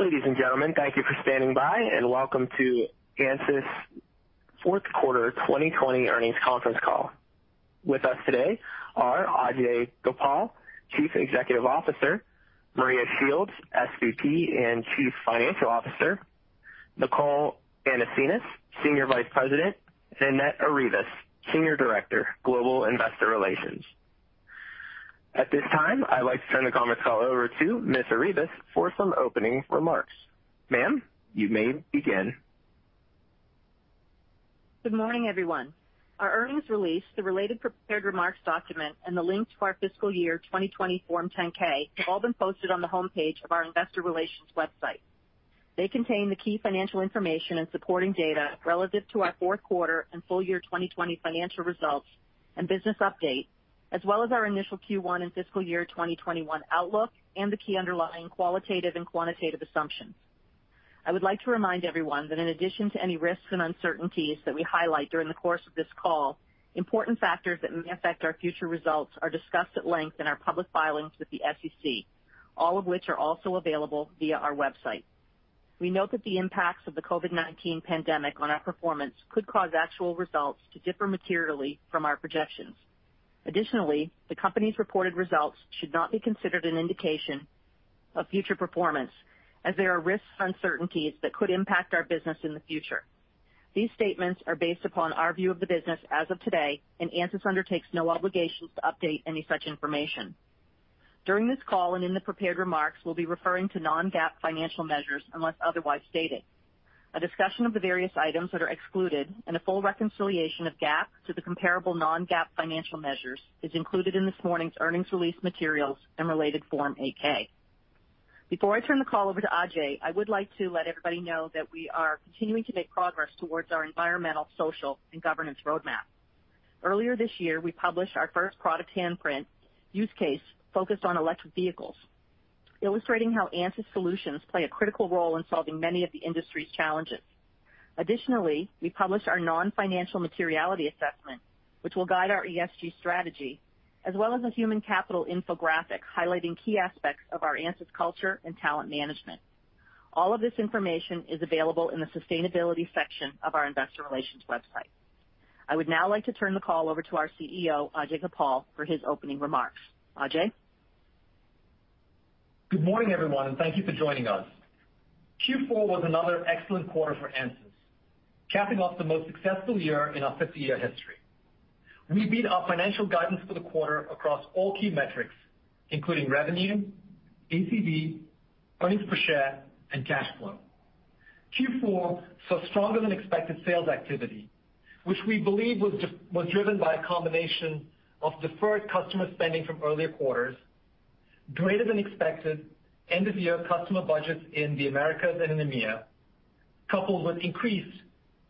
Ladies and gentlemen, thank you for standing by, and Welcome to Ansys' fourth quarter 2020 earnings conference call. With us today are Ajei Gopal, Chief Executive Officer, Maria Shields, SVP and Chief Financial Officer, Nicole Anasenes, Senior Vice President, and Annette Arribas, Senior Director, Global Investor Relations. At this time, I'd like to turn the conference call over to Ms. Arribas for some opening remarks. Ma'am, you may begin. Good morning, everyone. Our earnings release, the related prepared remarks document, and the link to our fiscal year 2020 Form 10-K have all been posted on the homepage of our investor relations website. They contain the key financial information and supporting data relative to our fourth quarter and full year 2020 financial results and business update, as well as our initial Q1 and fiscal year 2021 outlook and the key underlying qualitative and quantitative assumptions. I would like to remind everyone that in addition to any risks and uncertainties that we highlight during the course of this call, important factors that may affect our future results are discussed at length in our public filings with the SEC, all of which are also available via our website. We note that the impacts of the COVID-19 pandemic on our performance could cause actual results to differ materially from our projections. Additionally, the company's reported results should not be considered an indication of future performance, as there are risks and uncertainties that could impact our business in the future. These statements are based upon our view of the business as of today, and Ansys undertakes no obligations to update any such information. During this call and in the prepared remarks, we'll be referring to non-GAAP financial measures, unless otherwise stated. A discussion of the various items that are excluded and a full reconciliation of GAAP to the comparable non-GAAP financial measures is included in this morning's earnings release materials and related Form 8-K. Before I turn the call over to Ajei, I would like to let everybody know that we are continuing to make progress towards our environmental, social, and governance roadmap. Earlier this year, we published our first product handprint use case focused on electric vehicles, illustrating how Ansys solutions play a critical role in solving many of the industry's challenges. Additionally, we published our non-financial materiality assessment, which will guide our ESG strategy, as well as a human capital infographic highlighting key aspects of our Ansys culture and talent management. All of this information is available in the sustainability section of our investor relations website. I would now like to turn the call over to our CEO, Ajei Gopal, for his opening remarks. Ajei? Good morning, everyone. Thank you for joining us. Q4 was another excellent quarter for Ansys, capping off the most successful year in our 50-year history. We beat our financial guidance for the quarter across all key metrics, including revenue, ACV, earnings per share, and cash flow. Q4 saw stronger than expected sales activity, which we believe was driven by a combination of deferred customer spending from earlier quarters, greater than expected end-of-year customer budgets in the Americas and in EMEA, coupled with increased,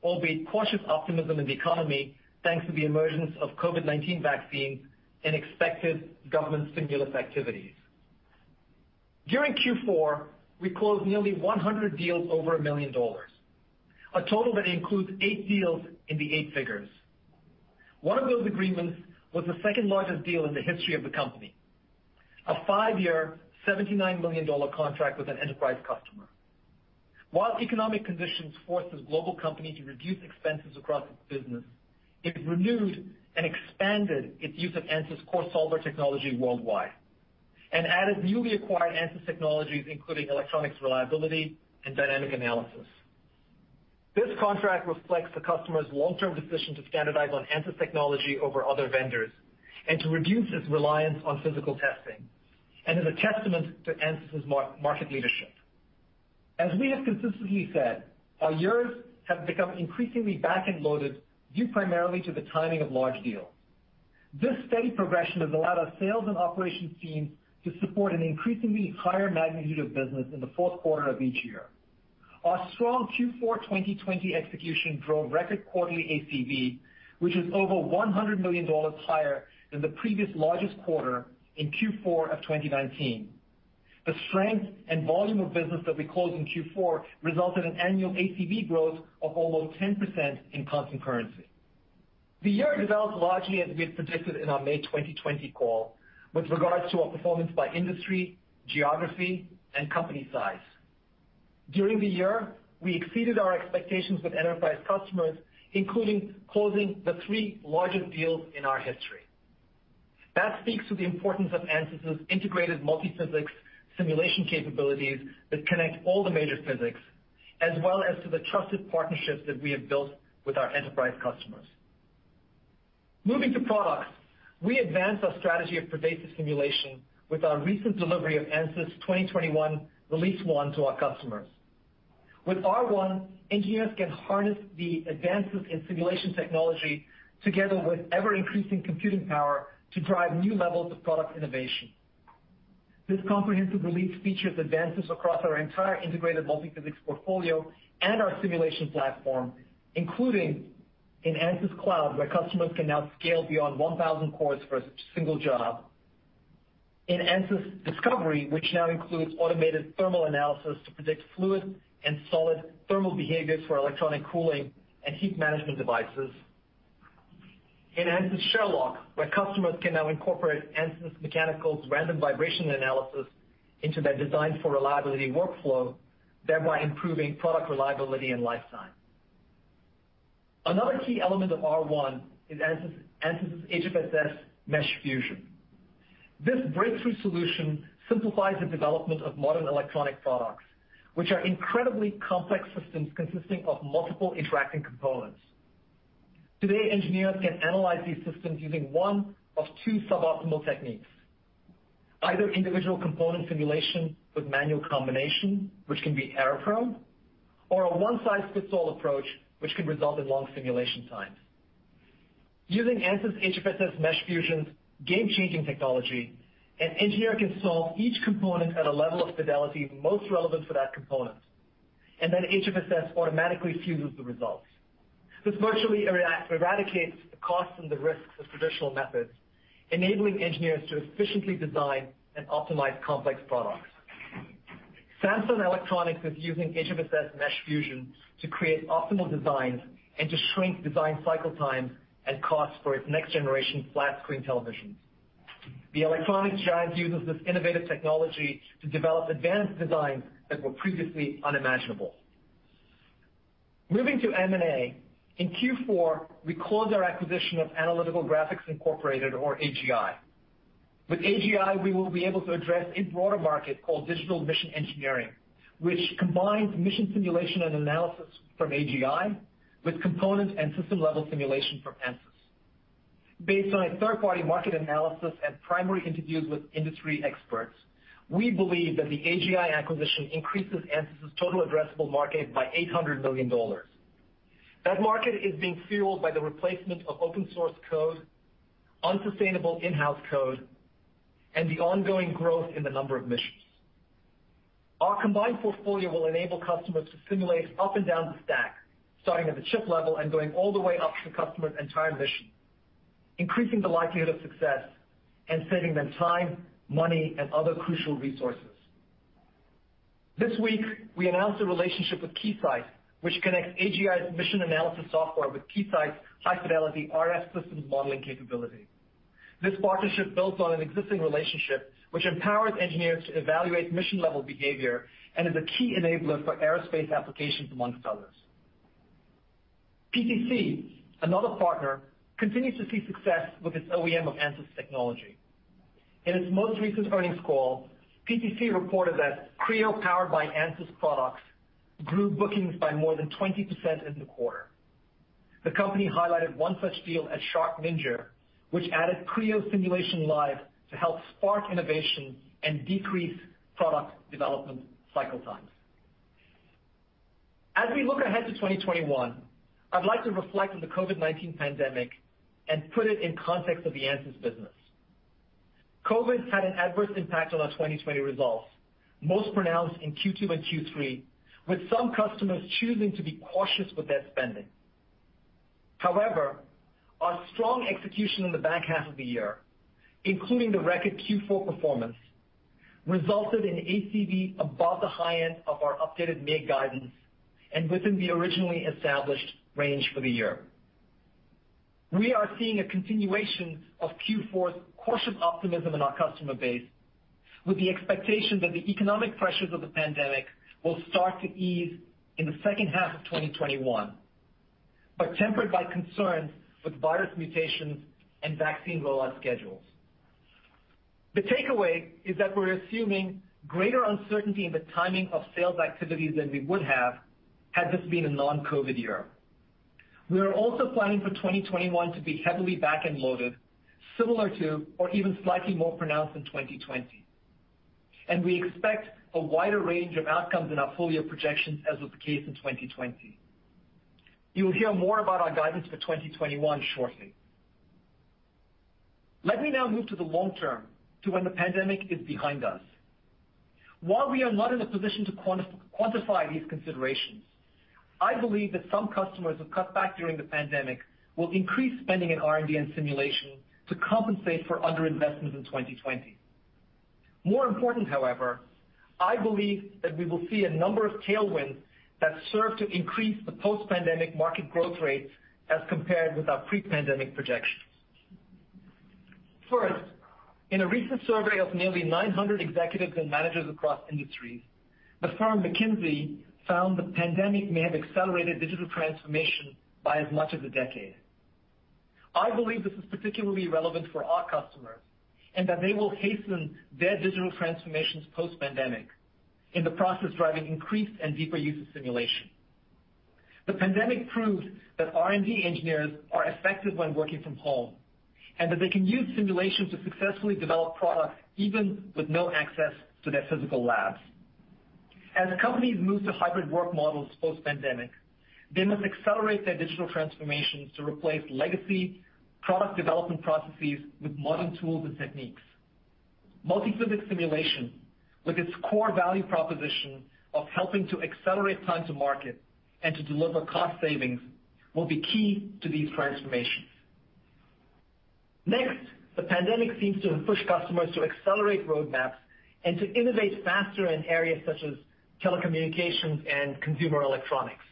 albeit cautious optimism in the economy, thanks to the emergence of COVID-19 vaccines and expected government stimulus activities. During Q4, we closed nearly 100 deals over $1 million, a total that includes eight deals in the eight figures. One of those agreements was the second-largest deal in the history of the company, a five-year, $79 million contract with an enterprise customer. While economic conditions forces global companies to reduce expenses across its business, it renewed and expanded its use of Ansys core solver technology worldwide and added newly acquired Ansys technologies, including electronics reliability and dynamic analysis. This contract reflects the customer's long-term decision to standardize on Ansys technology over other vendors and to reduce its reliance on physical testing and is a testament to Ansys' market leadership. As we have consistently said, our years have become increasingly back-end loaded due primarily to the timing of large deals. This steady progression has allowed our sales and operations teams to support an increasingly higher magnitude of business in the fourth quarter of each year. Our strong Q4 2020 execution drove record quarterly ACV, which is over $100 million higher than the previous largest quarter in Q4 of 2019. The strength and volume of business that we closed in Q4 resulted in annual ACV growth of almost 10% in constant currency. The year developed largely as we had predicted in our May 2020 call with regards to our performance by industry, geography, and company size. During the year, we exceeded our expectations with enterprise customers, including closing the three largest deals in our history. That speaks to the importance of Ansys' integrated multi-physics simulation capabilities that connect all the major physics, as well as to the trusted partnerships that we have built with our enterprise customers. Moving to products, we advanced our strategy of pervasive simulation with our recent delivery of Ansys 2021 Release 1 to our customers. With R1, engineers can harness the advances in simulation technology together with ever-increasing computing power to drive new levels of product innovation. This comprehensive release features advances across our entire integrated multi-physics portfolio and our simulation platform, including in Ansys Cloud, where customers can now scale beyond 1,000 cores for a single job. In Ansys Discovery, which now includes automated thermal analysis to predict fluid and solid thermal behaviors for electronic cooling and heat management devices. In Ansys Sherlock, where customers can now incorporate Ansys Mechanical's random vibration analysis into their design for reliability workflow, thereby improving product reliability and lifetime. Another key element of R1 is Ansys HFSS Mesh Fusion. This breakthrough solution simplifies the development of modern electronic products, which are incredibly complex systems consisting of multiple interacting components. Today, engineers can analyze these systems using one of two suboptimal techniques. Either individual component simulation with manual combination, which can be error-prone, or a one-size-fits-all approach, which can result in long simulation times. Using Ansys HFSS Mesh Fusion's game-changing technology, an engineer can solve each component at a level of fidelity most relevant for that component, and then HFSS automatically fuses the results. This virtually eradicates the cost and the risks of traditional methods, enabling engineers to efficiently design and optimize complex products. Samsung Electronics is using HFSS Mesh Fusion to create optimal designs and to shrink design cycle times and costs for its next-generation flat-screen televisions. The electronics giant uses this innovative technology to develop advanced designs that were previously unimaginable. Moving to M&A. In Q4, we closed our acquisition of Analytical Graphics Incorporated, or AGI. With AGI, we will be able to address a broader market called Digital Mission Engineering, which combines mission simulation and analysis from AGI with component and system-level simulation from Ansys. Based on a third-party market analysis and primary interviews with industry experts, we believe that the AGI acquisition increases Ansys' total addressable market by $800 million. That market is being fueled by the replacement of open-source code, unsustainable in-house code, and the ongoing growth in the number of missions. Our combined portfolio will enable customers to simulate up and down the stack, starting at the chip level and going all the way up to the customer's entire mission, increasing the likelihood of success and saving them time, money, and other crucial resources. This week, we announced a relationship with Keysight, which connects AGI's mission analysis software with Keysight's high-fidelity RF systems modeling capability. This partnership builds on an existing relationship which empowers engineers to evaluate mission-level behavior and is a key enabler for aerospace applications, amongst others. PTC, another partner, continues to see success with its OEM of Ansys technology. In its most recent earnings call, PTC reported that Creo, powered by Ansys products, grew bookings by more than 20% in the quarter. The company highlighted one such deal at SharkNinja, which added Creo Simulation Live to help spark innovation and decrease product development cycle times. As we look ahead to 2021, I'd like to reflect on the COVID-19 pandemic and put it in context of the Ansys business. COVID had an adverse impact on our 2020 results, most pronounced in Q2 and Q3, with some customers choosing to be cautious with their spending. Our strong execution in the back half of the year, including the record Q4 performance, resulted in ACV above the high end of our updated mid-guidance and within the originally established range for the year. We are seeing a continuation of Q4's cautious optimism in our customer base, with the expectation that the economic pressures of the pandemic will start to ease in the second half of 2021, tempered by concerns with virus mutations and vaccine rollout schedules. The takeaway is that we're assuming greater uncertainty in the timing of sales activities than we would have, had this been a non-COVID year. We are also planning for 2021 to be heavily back-end loaded, similar to or even slightly more pronounced than 2020, we expect a wider range of outcomes in our full-year projections, as was the case in 2020. You'll hear more about our guidance for 2021 shortly. Let me now move to the long term, to when the pandemic is behind us. While we are not in a position to quantify these considerations, I believe that some customers who cut back during the pandemic will increase spending in R&D and simulation to compensate for under investments in 2020. More important, however, I believe that we will see a number of tailwinds that serve to increase the post-pandemic market growth rates as compared with our pre-pandemic projections. First, in a recent survey of nearly 900 executives and managers across industries, the firm McKinsey found the pandemic may have accelerated digital transformation by as much as a decade. I believe this is particularly relevant for our customers, and that they will hasten their digital transformations post-pandemic, in the process, driving increased and deeper use of simulation. The pandemic proved that R&D engineers are effective when working from home, and that they can use simulation to successfully develop products, even with no access to their physical labs. As companies move to hybrid work models post-pandemic, they must accelerate their digital transformations to replace legacy product development processes with modern tools and techniques. Multiphysics simulation, with its core value proposition of helping to accelerate time to market and to deliver cost savings, will be key to these transformations. Next, the pandemic seems to have pushed customers to accelerate roadmaps and to innovate faster in areas such as telecommunications and consumer electronics.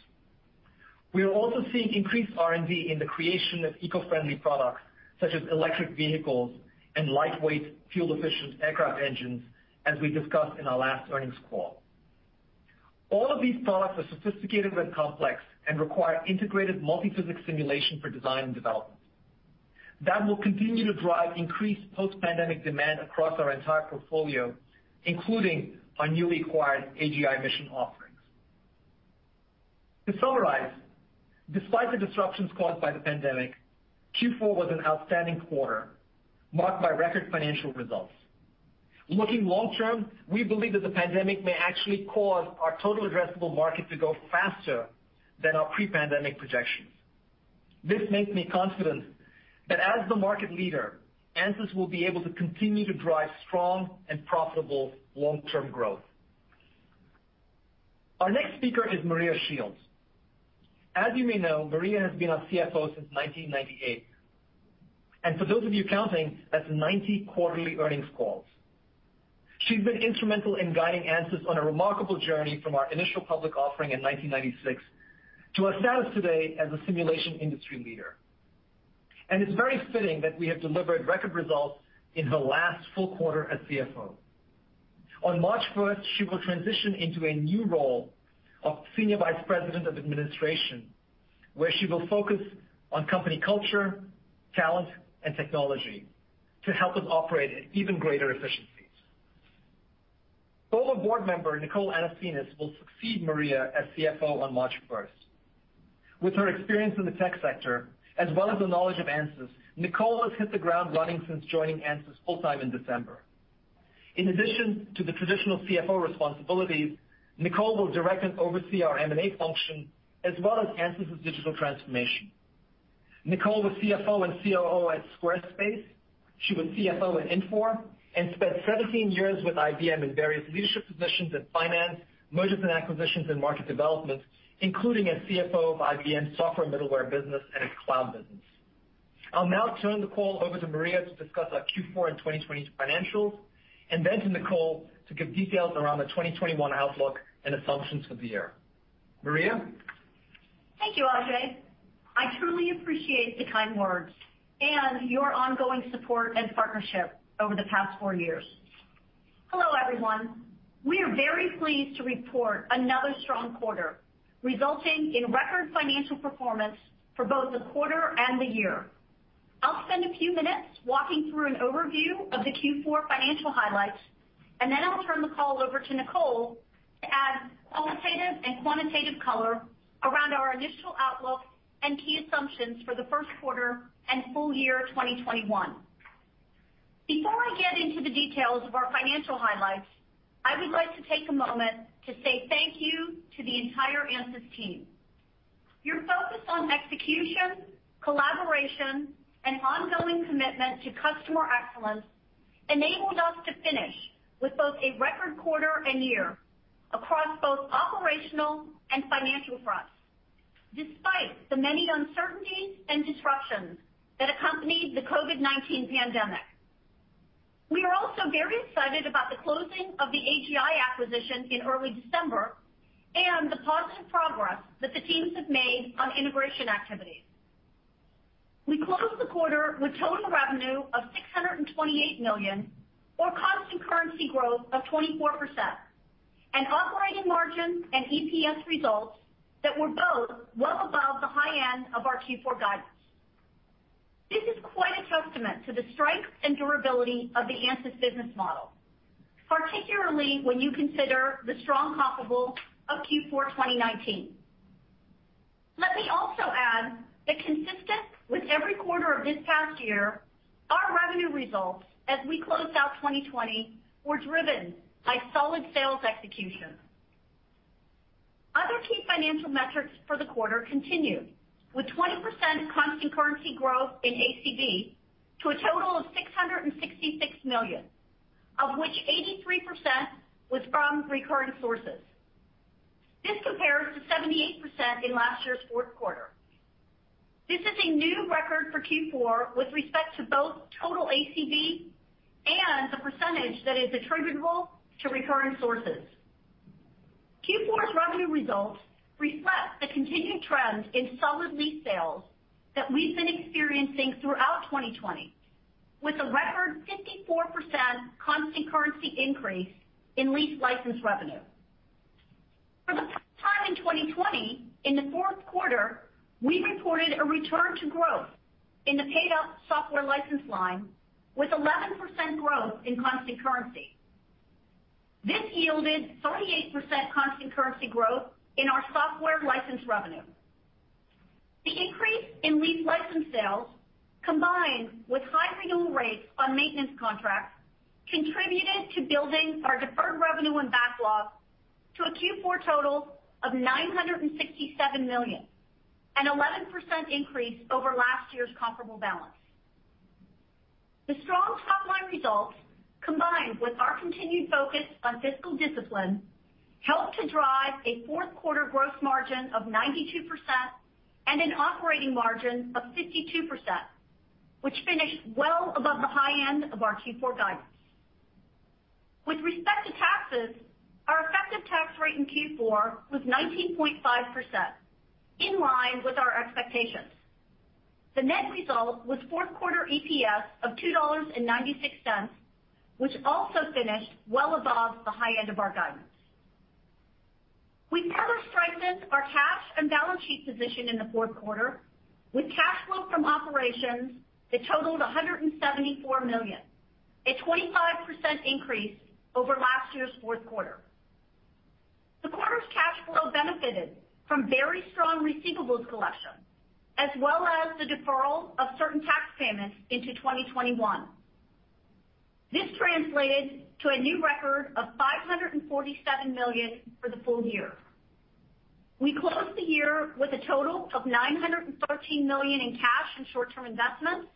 We are also seeing increased R&D in the creation of eco-friendly products, such as electric vehicles and lightweight, fuel-efficient aircraft engines, as we discussed in our last earnings call. All of these products are sophisticated and complex and require integrated multi-physics simulation for design and development. That will continue to drive increased post-pandemic demand across our entire portfolio, including our newly acquired AGI mission offerings. To summarize, despite the disruptions caused by the pandemic, Q4 was an outstanding quarter marked by record financial results. Looking long-term, we believe that the pandemic may actually cause our total addressable market to grow faster than our pre-pandemic projections. This makes me confident that as the market leader, Ansys will be able to continue to drive strong and profitable long-term growth. Our next speaker is Maria Shields. As you may know, Maria has been our CFO since 1998, and for those of you counting, that's 90 quarterly earnings calls. She's been instrumental in guiding Ansys on a remarkable journey from our initial public offering in 1996 to our status today as a simulation industry leader. It's very fitting that we have delivered record results in her last full quarter as CFO. On March 1st, she will transition into a new role of Senior Vice President of Administration, where she will focus on company culture, talent, and technology to help us operate at even greater efficiencies. Former board member Nicole Anasenes will succeed Maria as CFO on March 1st. With her experience in the tech sector, as well as her knowledge of Ansys, Nicole has hit the ground running since joining Ansys full-time in December. In addition to the traditional CFO responsibilities, Nicole will directly oversee our M&A function as well as Ansys' digital transformation. Nicole was CFO and COO at Squarespace. She was CFO at Infor and spent 17 years with IBM in various leadership positions in finance, mergers and acquisitions, and market development, including as CFO of IBM Software Middleware business and its cloud business. I'll now turn the call over to Maria to discuss our Q4 and 2020 financials, and then to Nicole to give details around the 2021 outlook and assumptions for the year. Maria? Thank you, Ajei. I truly appreciate the kind words and your ongoing support and partnership over the past four years. Hello, everyone. We are very pleased to report another strong quarter, resulting in record financial performance for both the quarter and the year. I'll spend a few minutes walking through an overview of the Q4 financial highlights, and then I'll turn the call over to Nicole to add qualitative and quantitative color around our initial outlook and key assumptions for the first quarter and full year 2021. Before I get into the details of our financial highlights, I would like to take a moment to say thank you to the entire Ansys team. Your focus on execution, collaboration, and ongoing commitment to customer excellence enabled us to finish with both a record quarter and year across both operational and financial fronts, despite the many uncertainties and disruptions that accompanied the COVID-19 pandemic. We are also very excited about the closing of the AGI acquisition in early December and the positive progress that the teams have made on integration activities. We closed the quarter with total revenue of $628 million, or constant currency growth of 24%, and operating margins and EPS results that were both well above the high end of our Q4 guidance. This is quite a testament to the strength and durability of the Ansys business model, particularly when you consider the strong comparable of Q4 2019. Let me also add that consistent with every quarter of this past year, our revenue results as we closed out 2020 were driven by solid sales execution. Other key financial metrics for the quarter continued, with 20% constant currency growth in ACV to a total of $666 million, of which 83% was from recurring sources. This compares to 78% in last year's fourth quarter. This is a new record for Q4 with respect to both total ACV and the percentage that is attributable to recurring sources. Q4's revenue results reflect the continued trend in solid lease sales that we've been experiencing throughout 2020, with a record 54% constant currency increase in leased license revenue. For the first time in 2020, in the fourth quarter, we reported a return to growth in the paid-up software license line with 11% growth in constant currency. This yielded 38% constant currency growth in our software license revenue. The increase in leased license sales, combined with high renewal rates on maintenance contracts, contributed to building our deferred revenue and backlog to a Q4 total of $967 million, an 11% increase over last year's comparable balance. The strong top-line results, combined with our continued focus on fiscal discipline, helped to drive a fourth quarter gross margin of 92% and an operating margin of 52%, which finished well above the high end of our Q4 guidance. With respect to taxes, our effective tax rate in Q4 was 19.5%, in line with our expectations. The net result was fourth quarter EPS of $2.96, which also finished well above the high end of our guidance. We further strengthened our cash and balance sheet position in the fourth quarter with cash flow from operations that totaled $174 million, a 25% increase over last year's fourth quarter. The quarter's cash flow benefited from very strong receivables collection, as well as the deferral of certain tax payments into 2021. This translated to a new record of $547 million for the full year. We closed the year with a total of $913 million in cash and short-term investments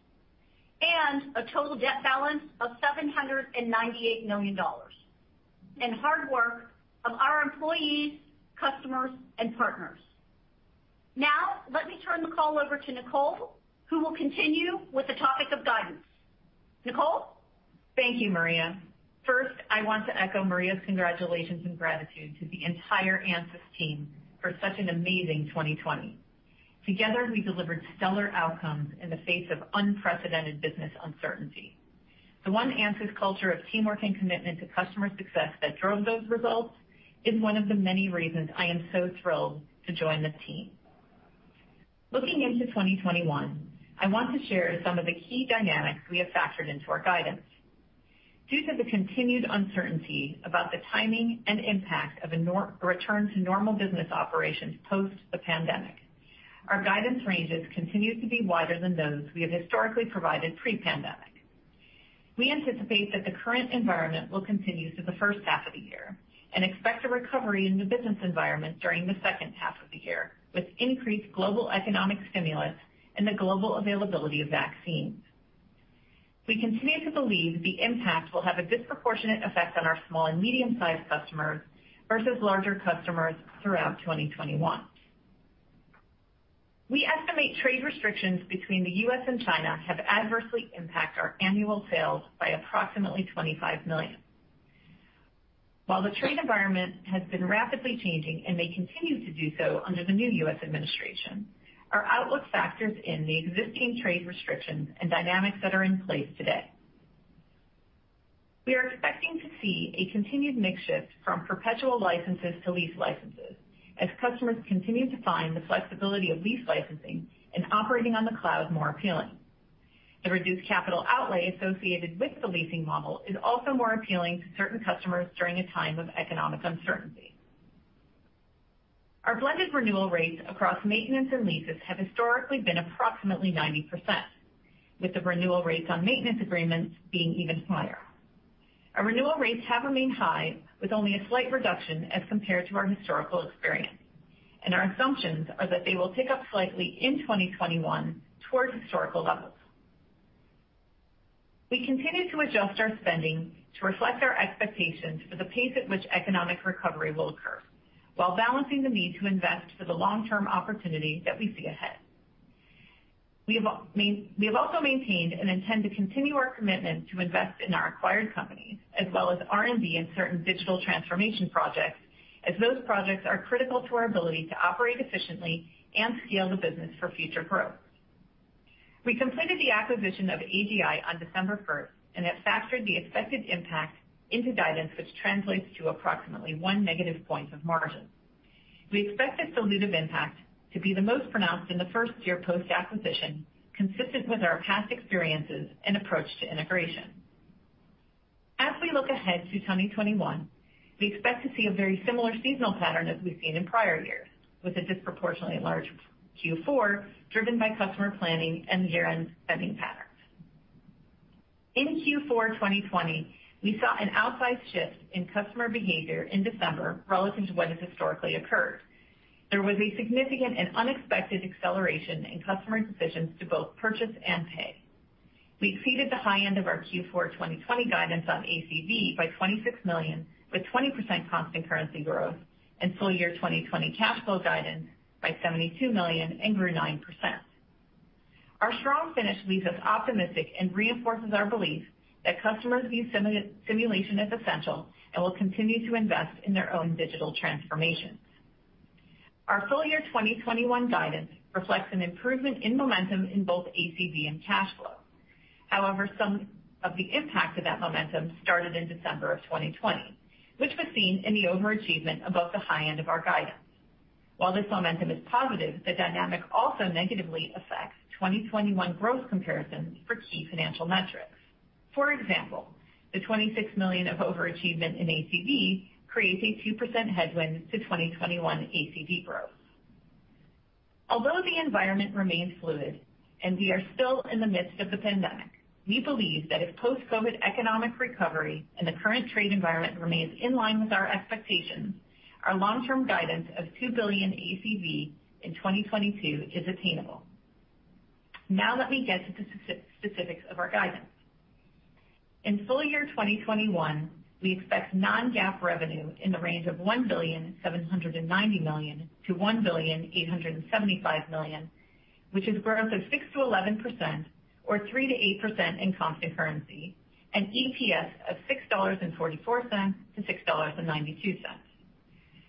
and a total debt balance of $798 million. Now, let me turn the call over to Nicole, who will continue with the topic of guidance. Nicole? Thank you, Maria. First, I want to echo Maria's congratulations and gratitude to the entire Ansys team for such an amazing 2020. Together, we delivered stellar outcomes in the face of unprecedented business uncertainty. The ONE Ansys culture of teamwork and commitment to customer success that drove those results is one of the many reasons I am so thrilled to join the team. Looking into 2021, I want to share some of the key dynamics we have factored into our guidance. Due to the continued uncertainty about the timing and impact of a return to normal business operations post the pandemic, our guidance ranges continue to be wider than those we have historically provided pre-pandemic. We anticipate that the current environment will continue through the first half of the year and expect a recovery in the business environment during the second half of the year with increased global economic stimulus and the global availability of vaccines. We continue to believe the impact will have a disproportionate effect on our small and medium-sized customers versus larger customers throughout 2021. We estimate trade restrictions between the U.S. and China have adversely impact our annual sales by approximately $25 million. While the trade environment has been rapidly changing and may continue to do so under the new U.S. administration, our outlook factors in the existing trade restrictions and dynamics that are in place today. We are expecting to see a continued mix shift from perpetual licenses to lease licenses as customers continue to find the flexibility of lease licensing and operating on the cloud more appealing. The reduced capital outlay associated with the leasing model is also more appealing to certain customers during a time of economic uncertainty. Our blended renewal rates across maintenance and leases have historically been approximately 90%, with the renewal rates on maintenance agreements being even higher. Our renewal rates have remained high with only a slight reduction as compared to our historical experience. Our assumptions are that they will tick up slightly in 2021 towards historical levels. We continue to adjust our spending to reflect our expectations for the pace at which economic recovery will occur while balancing the need to invest for the long-term opportunity that we see ahead. We have also maintained and intend to continue our commitment to invest in our acquired company, as well as R&D and certain digital transformation projects, as those projects are critical to our ability to operate efficiently and scale the business for future growth. We completed the acquisition of AGI on December 1st and have factored the expected impact into guidance, which translates to approximately one negative point of margin. We expect this dilutive impact to be the most pronounced in the first year post-acquisition, consistent with our past experiences and approach to integration. As we look ahead to 2021, we expect to see a very similar seasonal pattern as we've seen in prior years, with a disproportionately large Q4 driven by customer planning and year-end spending patterns. In Q4 2020, we saw an outsized shift in customer behavior in December relative to what has historically occurred. There was a significant and unexpected acceleration in customer decisions to both purchase and pay. We exceeded the high end of our Q4 2020 guidance on ACV by $26 million, with 20% constant currency growth, and full year 2020 cash flow guidance by $72 million and grew 9%. Our strong finish leaves us optimistic and reinforces our belief that customers view simulation as essential and will continue to invest in their own digital transformations. Our full year 2021 guidance reflects an improvement in momentum in both ACV and cash flow. However, some of the impact of that momentum started in December of 2020, which was seen in the overachievement above the high end of our guidance. While this momentum is positive, the dynamic also negatively affects 2021 growth comparisons for key financial metrics. For example, the $26 million of overachievement in ACV creates a 2% headwind to 2021 ACV growth. Although the environment remains fluid and we are still in the midst of the COVID pandemic, we believe that if post-COVID economic recovery and the current trade environment remains in line with our expectations, our long-term guidance of $2 billion ACV in 2022 is attainable. Let me get to the specifics of our guidance. In full year 2021, we expect non-GAAP revenue in the range of $1.79 billion-$1.875 billion, which is growth of 6%-11%, or 3%-8% in constant currency, and EPS of $6.44-$6.92.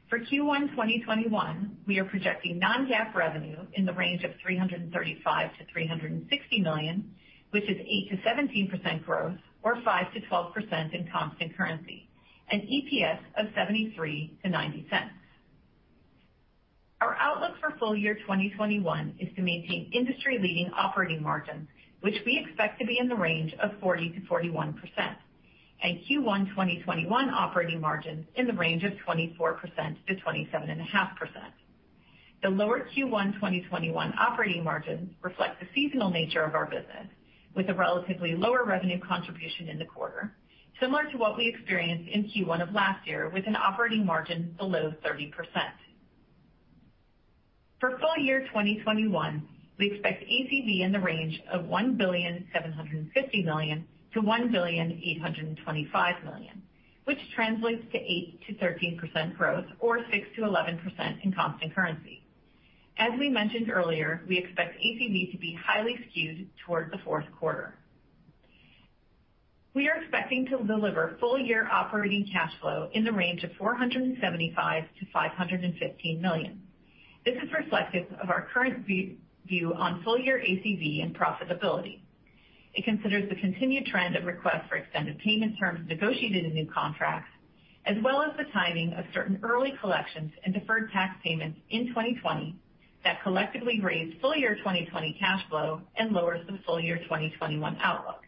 For Q1 2021, we are projecting non-GAAP revenue in the range of $335 million-$360 million, which is 8%-17% growth, or 5%-12% in constant currency, and EPS of $0.73-$0.90. Our outlook for full year 2021 is to maintain industry-leading operating margins, which we expect to be in the range of 40%-41%, and Q1 2021 operating margins in the range of 24%-27.5%. The lower Q1 2021 operating margins reflect the seasonal nature of our business, with a relatively lower revenue contribution in the quarter, similar to what we experienced in Q1 of last year with an operating margin below 30%. For full year 2021, we expect ACV in the range of $1.75 billion-$1.825 billion, which translates to 8%-13% growth or 6%-11% in constant currency. As we mentioned earlier, we expect ACV to be highly skewed towards the fourth quarter. We are expecting to deliver full-year operating cash flow in the range of $475 million-$515 million. This is reflective of our current view on full-year ACV and profitability. It considers the continued trend of requests for extended payment terms negotiated in new contracts, as well as the timing of certain early collections and deferred tax payments in 2020 that collectively raise full year 2020 cash flow and lowers the full year 2021 outlook.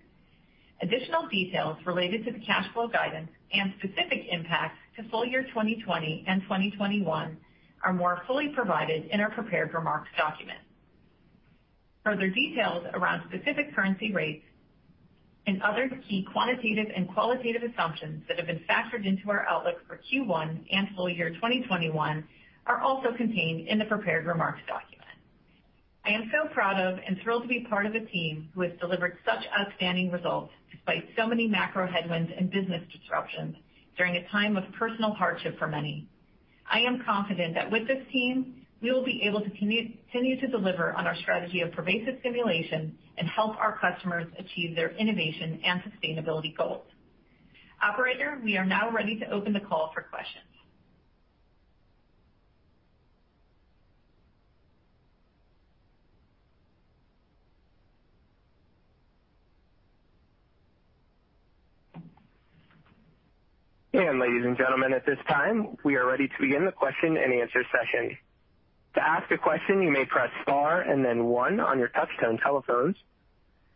Additional details related to the cash flow guidance and specific impacts to full year 2020 and 2021 are more fully provided in our prepared remarks document. Further details around specific currency rates and other key quantitative and qualitative assumptions that have been factored into our outlook for Q1 and full year 2021 are also contained in the prepared remarks document. I am so proud of and thrilled to be part of a team who has delivered such outstanding results despite so many macro headwinds and business disruptions during a time of personal hardship for many. I am confident that with this team, we will be able to continue to deliver on our strategy of pervasive simulation and help our customers achieve their innovation and sustainability goals. Operator, we are now ready to open the call for questions. Ladies and gentlemen, at this time, we are ready to begin the question and answer session. To ask a question, you may press star and one on your touchtone telephones.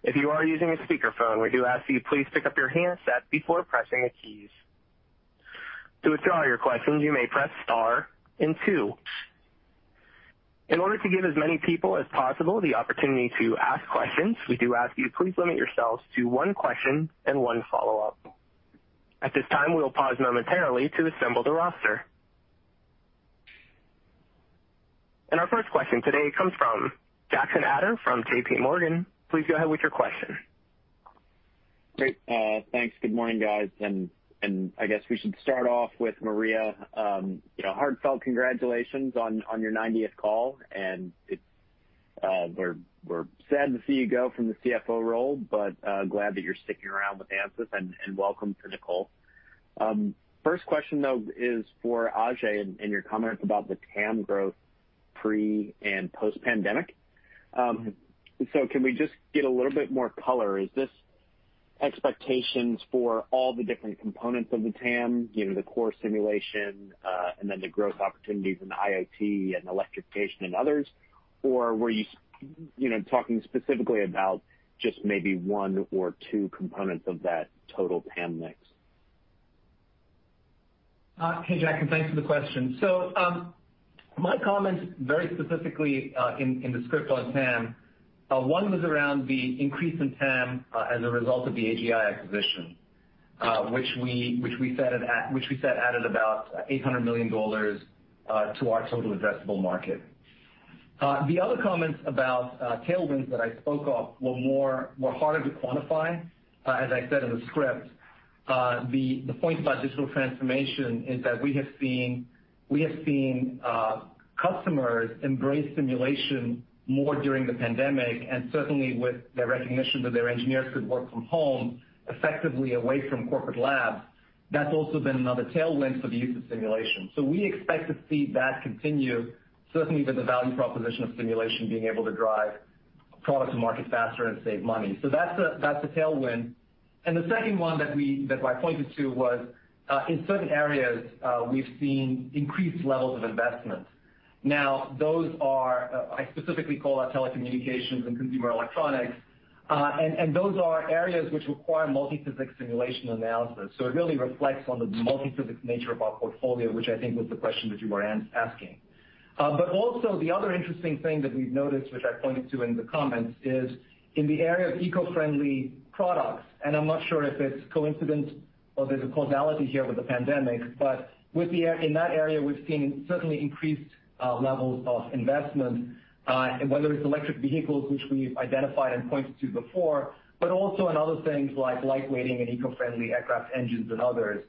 If you are using a speakerphone, we do ask that you please pick up your handset before pressing any key. To withdraw your question, you may press star and two. In order to give as many people as possible the opportunity to ask questions, we do ask that you please limit yourselves to one question and one follow-up. At this time, we will pause momentarily to assemble the roster. Our first question today comes from Jackson Ader from JPMorgan. Please go ahead with your question. Great. Thanks. Good morning, guys. I guess we should start off with Maria. Heartfelt congratulations on your 90th call. We're sad to see you go from the CFO role, but glad that you're sticking around with Ansys, and welcome to Nicole. First question, though, is for Ajei and your comments about the TAM growth pre and post-pandemic. Can we just get a little bit more color? Is this expectations for all the different components of the TAM, the core simulation, and then the growth opportunities in the IoT and electrification and others? Were you talking specifically about just maybe one or two components of that total TAM mix? Hey, Jackson. Thanks for the question. My comments very specifically, in the script on TAM, one was around the increase in TAM as a result of the AGI acquisition, which we said added about $800 million to our total addressable market. The other comments about tailwinds that I spoke of were harder to quantify, as I said in the script. The point about digital transformation is that we have seen customers embrace simulation more during the pandemic, and certainly with the recognition that their engineers could work from home effectively away from corporate labs. That's also been another tailwind for the use of simulation. We expect to see that continue, certainly with the value proposition of simulation being able to drive product to market faster and save money. That's a tailwind. The second one that I pointed to was, in certain areas, we've seen increased levels of investment. Now, those are, I specifically call out telecommunications and consumer electronics. Those are areas which require multi-physics simulation analysis. It really reflects on the multi-physics nature of our portfolio, which I think was the question that you were asking. Also, the other interesting thing that we've noticed, which I pointed to in the comments, is in the area of eco-friendly products, and I'm not sure if it's coincidence or there's a causality here with the pandemic, but in that area, we've seen certainly increased levels of investment, whether it's electric vehicles, which we've identified and pointed to before, but also in other things like light-weighting and eco-friendly aircraft engines and others.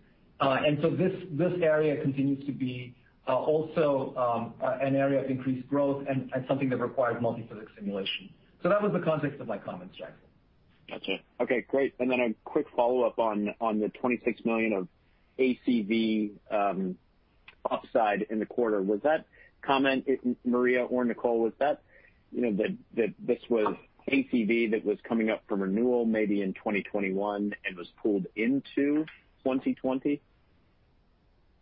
This area continues to be also an area of increased growth and something that requires multi-physics simulation. That was the context of my comments, Jackson. Got you. Okay, great. A quick follow-up on the $26 million of ACV upside in the quarter. Was that comment, Maria or Nicole, was that this was ACV that was coming up for renewal maybe in 2021 and was pulled into 2020?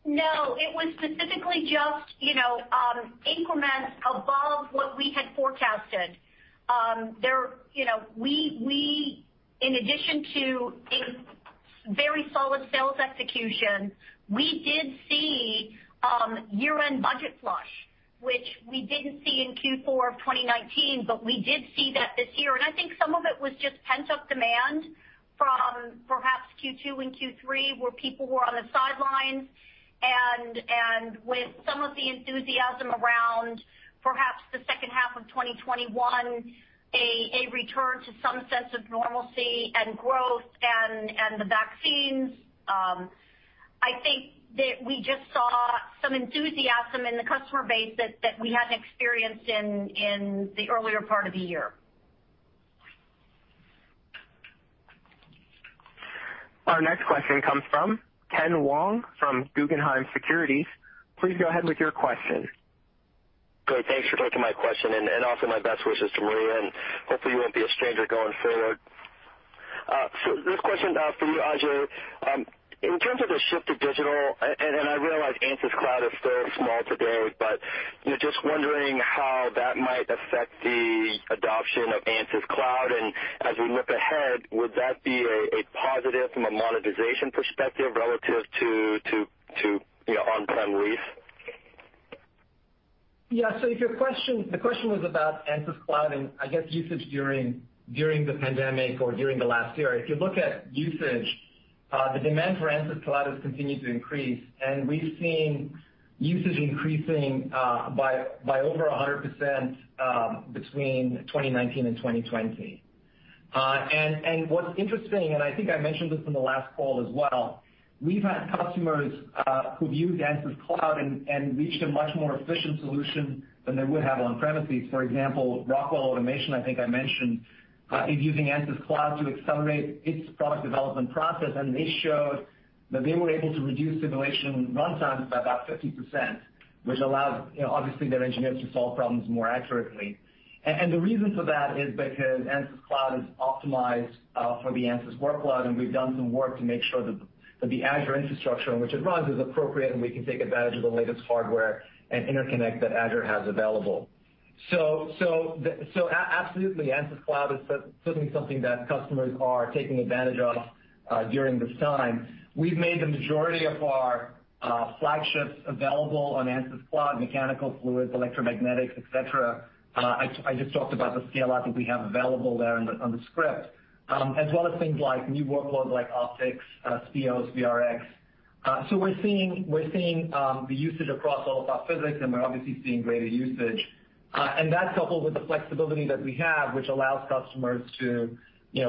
No. It was specifically just increments above what we had forecasted. In addition to a very solid sales execution, we did see year-end budget flush, which we didn't see in Q4 of 2019, but we did see that this year. I think some of it was just pent-up demand from perhaps Q2 and Q3, where people were on the sidelines. With some of the enthusiasm around perhaps the second half of 2021, a return to some sense of normalcy and growth and the vaccines, I think that we just saw some enthusiasm in the customer base that we hadn't experienced in the earlier part of the year. Our next question comes from Ken Wong from Guggenheim Securities. Please go ahead with your question. Great. Thanks for taking my question, also my best wishes to Maria, hopefully you won't be a stranger going forward. This question is for you, Ajei. In terms of the shift to digital, I realize Ansys Cloud is still small today, but just wondering how that might affect the adoption of Ansys Cloud. As we look ahead, would that be a positive from a monetization perspective relative to on-prem lease? Yeah. The question was about Ansys Cloud, and I guess usage during the pandemic or during the last year. If you look at usage, the demand for Ansys Cloud has continued to increase, and we've seen usage increasing by over 100% between 2019 and 2020. What's interesting, and I think I mentioned this in the last call as well, we've had customers who've used Ansys Cloud and reached a much more efficient solution than they would have on-premises. For example, Rockwell Automation, I think I mentioned, is using Ansys Cloud to accelerate its product development process, and they showed that they were able to reduce simulation runtimes by about 50%, which allowed, obviously, their engineers to solve problems more accurately. The reason for that is because Ansys Cloud is optimized for the Ansys workload, and we've done some work to make sure that the Azure infrastructure on which it runs is appropriate, and we can take advantage of the latest hardware and interconnect that Azure has available. Absolutely, Ansys Cloud is certainly something that customers are taking advantage of during this time. We've made the majority of our flagships available on Ansys Cloud, Mechanical, Fluids, Electromagnetics, et cetera. I just talked about the scale apps that we have available there on the script, as well as things like new workloads like Optics, Speos, VRX. We're seeing the usage across all of our physics, and we're obviously seeing greater usage. That coupled with the flexibility that we have, which allows customers to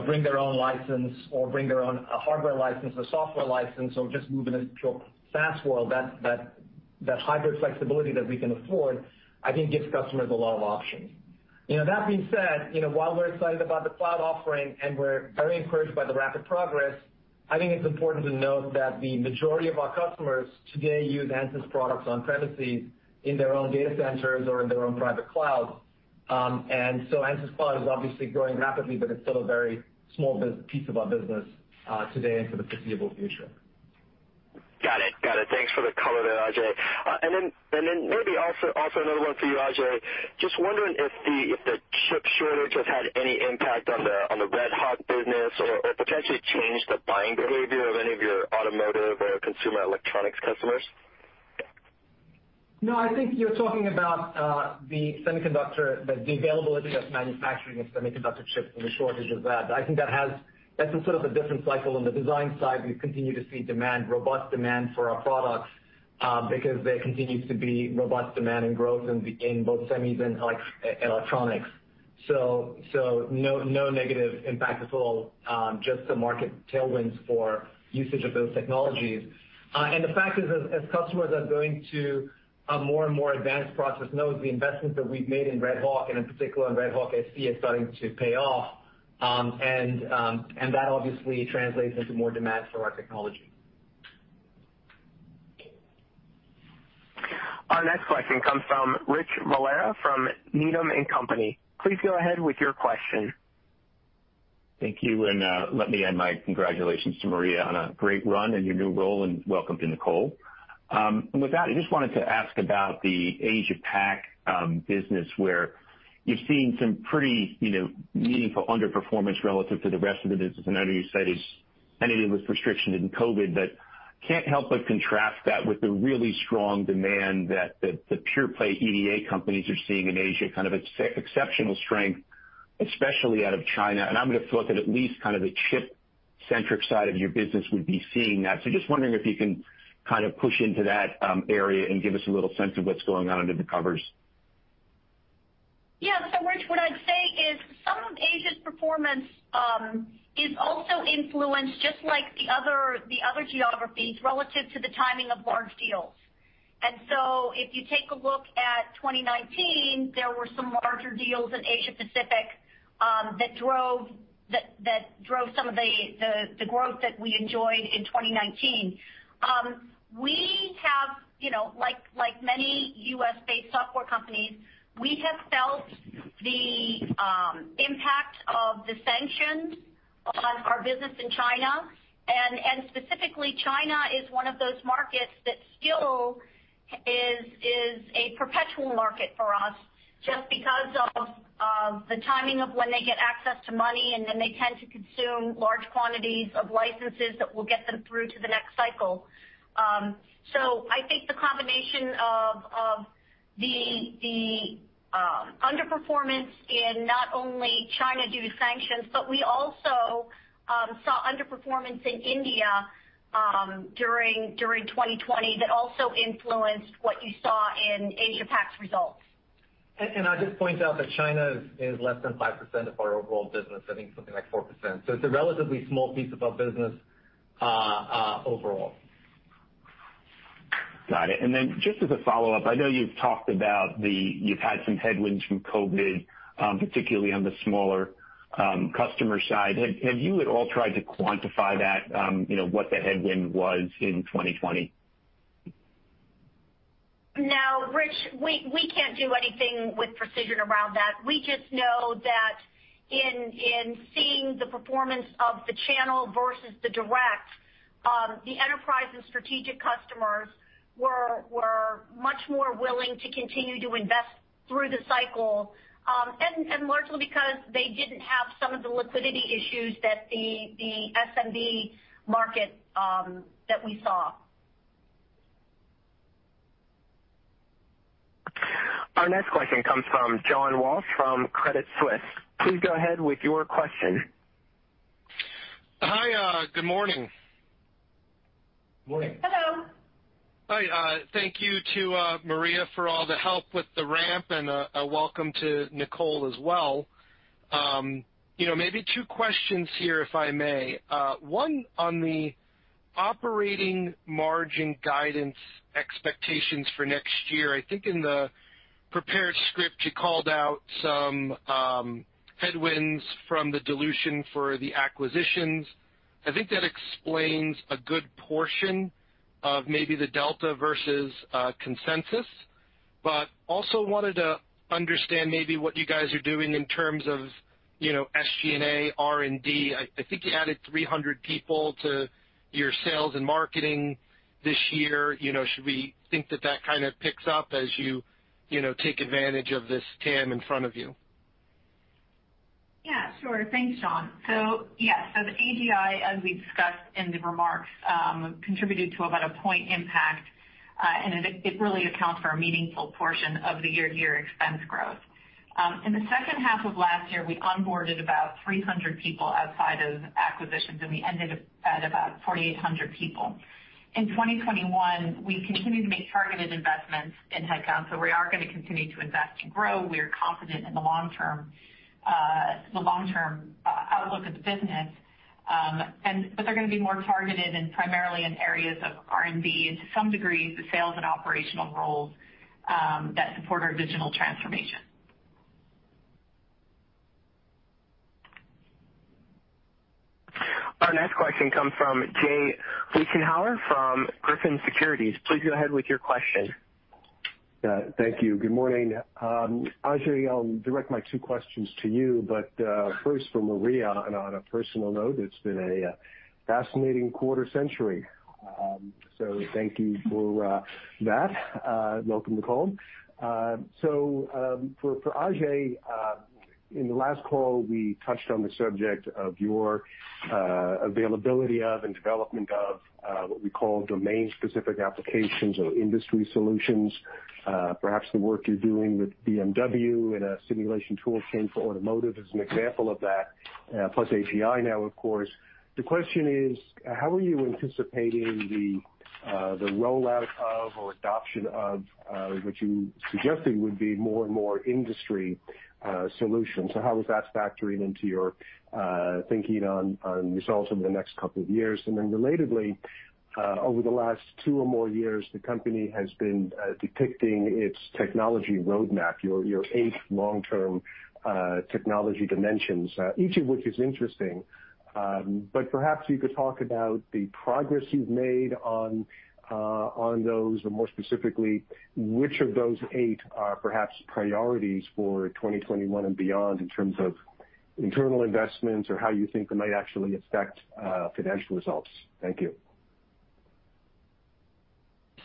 bring their own license or bring their own hardware license or software license or just move into a pure SaaS world, that hybrid flexibility that we can afford, I think gives customers a lot of options. That being said, while we’re excited about the cloud offering and we’re very encouraged by the rapid progress, I think it’s important to note that the majority of our customers today use Ansys products on-premises in their own data centers or in their own private clouds. Ansys Cloud is obviously growing rapidly, but it’s still a very small piece of our business today and for the foreseeable future. Got it. Thanks for the color there, Ajei. Maybe also another one for you, Ajei. Just wondering if the chip shortage has had any impact on the RedHawk business or potentially changed the buying behavior of any of your automotive or consumer electronics customers? I think you're talking about the availability of manufacturing of semiconductor chips and the shortage of that. I think that's a sort of a different cycle. On the design side, we continue to see robust demand for our products because there continues to be robust demand and growth in both semis and electronics. No negative impact at all, just some market tailwinds for usage of those technologies. The fact is, as customers are going to a more and more advanced process node, the investments that we've made in RedHawk, and in particular in RedHawk-SC, are starting to pay off. That obviously translates into more demand for our technology. Our next question comes from Rich Valera from Needham & Company. Please go ahead with your question. Thank you. Let me add my congratulations to Maria on a great run in your new role, and welcome to Nicole. With that, I just wanted to ask about the Asia Pac business, where you're seeing some pretty meaningful underperformance relative to the rest of the business. I know you said it was restriction in COVID, can't help but contrast that with the really strong demand that the pure play EDA companies are seeing in Asia, kind of exceptional strength, especially out of China. I thought that at least kind of the chip centric side of your business would be seeing that. Just wondering if you can kind of push into that area and give us a little sense of what's going on under the covers. Rich, what I'd say is some of Asia's performance is also influenced just like the other geographies relative to the timing of large deals. If you take a look at 2019, there were some larger deals in Asia Pacific that drove some of the growth that we enjoyed in 2019. Like many U.S.-based software companies, we have felt the impact of the sanctions on our business in China. Specifically, China is one of those markets that still is a perpetual market for us just because of the timing of when they get access to money, and then they tend to consume large quantities of licenses that will get them through to the next cycle. I think the combination of the underperformance in not only China due to sanctions, but we also saw underperformance in India during 2020 that also influenced what you saw in Asia Pac's results. I'd just point out that China is less than 5% of our overall business, I think something like 4%. It's a relatively small piece of our business overall. Got it. Just as a follow-up, I know you've talked about you've had some headwinds from COVID, particularly on the smaller customer side. Have you at all tried to quantify that, what the headwind was in 2020? No, Rich, we can't do anything with precision around that. We just know that in seeing the performance of the channel versus the direct, the enterprise and strategic customers were much more willing to continue to invest through the cycle. Largely because they didn't have some of the liquidity issues that the SMB market that we saw. Our next question comes from John Walsh from Credit Suisse. Please go ahead with your question. Hi. Good morning. Morning. Hello. Hi. Thank you to Maria for all the help with the ramp and welcome to Nicole as well. Maybe two questions here, if I may. One on the operating margin guidance expectations for next year. I think in the prepared script, you called out some headwinds from the dilution for the acquisitions. I think that explains a good portion of maybe the delta versus consensus, but also wanted to understand maybe what you guys are doing in terms of SG&A, R&D. I think you added 300 people to your sales and marketing this year. Should we think that that kind of picks up as you take advantage of this TAM in front of you? Yeah, sure. Thanks, John. Yeah, the AGI, as we discussed in the remarks, contributed to about a point impact, and it really accounts for a meaningful portion of the year expense growth. In the second half of last year, we onboarded about 300 people outside of acquisitions, and we ended up at about 4,800 people. In 2021, we continue to make targeted investments in headcount, we are going to continue to invest to grow. We are confident in the long-term outlook of the business. They're going to be more targeted and primarily in areas of R&D and to some degree, the sales and operational roles that support our digital transformation. Our next question comes from Jay Vleeschhouwer from Griffin Securities. Please go ahead with your question. Thank you. Good morning. Ajei, I'll direct my two questions to you, but first for Maria, and on a personal note, it's been a fascinating quarter century. Thank you for that. Welcome, Nicole. For Ajei, in the last call, we touched on the subject of your availability of and development of what we call domain specific applications or industry solutions. Perhaps the work you're doing with BMW in a simulation tool chain for automotive is an example of that, plus AGI now, of course. The question is, how are you anticipating the rollout of or adoption of what you suggested would be more and more industry solutions? How is that factoring into your thinking on results over the next couple of years? Relatedly, over the last two or more years, the company has been depicting its technology roadmap, your eight long-term technology dimensions, each of which is interesting. Perhaps you could talk about the progress you've made on those and more specifically, which of those eight are perhaps priorities for 2021 and beyond in terms of internal investments or how you think they might actually affect financial results. Thank you.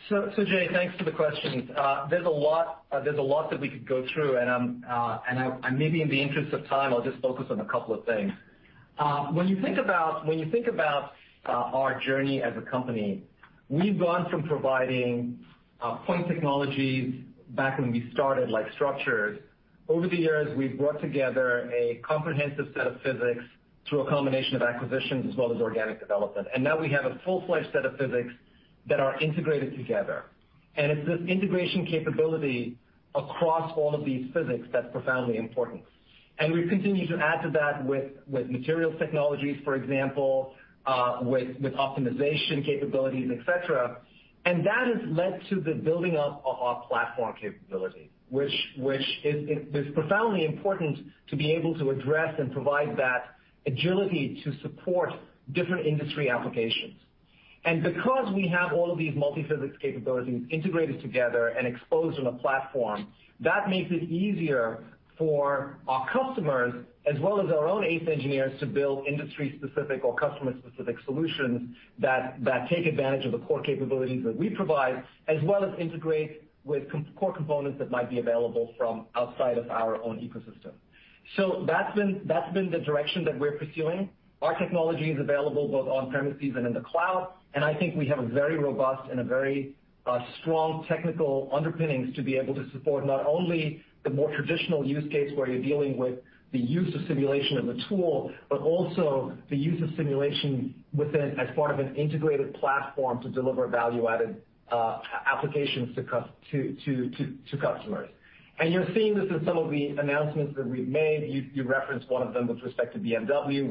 Jay, thanks for the questions. There's a lot that we could go through, and maybe in the interest of time, I'll just focus on a couple of things. When you think about our journey as a company, we've gone from providing point technologies back when we started, like structures. Over the years, we've brought together a comprehensive set of physics through a combination of acquisitions as well as organic development. Now we have a full-fledged set of physics that are integrated together. It's this integration capability across all of these physics that's profoundly important. We've continued to add to that with materials technologies, for example, with optimization capabilities, et cetera. That has led to the building up of our platform capability, which is profoundly important to be able to address and provide that agility to support different industry applications. Because we have all of these multi-physics capabilities integrated together and exposed on a platform, that makes it easier for our customers, as well as our own ace engineers, to build industry-specific or customer-specific solutions that take advantage of the core capabilities that we provide, as well as integrate with core components that might be available from outside of our own ecosystem. That's been the direction that we're pursuing. Our technology is available both on premises and in the cloud, and I think we have a very robust and a very strong technical underpinnings to be able to support not only the more traditional use case, where you're dealing with the use of simulation as a tool, but also the use of simulation as part of an integrated platform to deliver value-added applications to customers. You're seeing this in some of the announcements that we've made. You referenced one of them with respect to BMW.